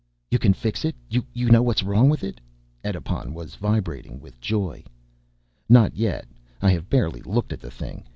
"You can fix it? You know what is wrong with it?" Edipon was vibrating with joy. "Not yet, I have barely looked at the thing.